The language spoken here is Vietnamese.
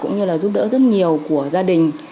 giúp đỡ rất nhiều của gia đình